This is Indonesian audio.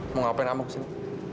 mau ngapain kamu kesini